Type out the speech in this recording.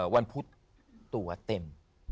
วันพุธตัวเต็ม